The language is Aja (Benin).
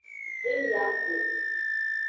E yi axwe.